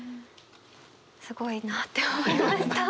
すごいなって思いました。